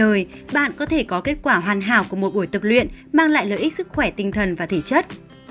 giọng thanh mùi hương ngoài trời bạn có thể có kết quả hoàn hảo của một buổi tập luyện mang lại lợi ích sức khỏe tinh thần và thể chất